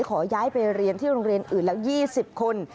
ขอย้ายไปเรียนที่โรงเรียนอื่นแล้ว๒๐คน